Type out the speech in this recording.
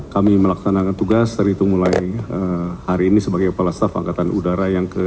kami melaksanakan tugas dan itu mulai hari ini sebagai kepala staf angkatan udara yang ke tujuh puluh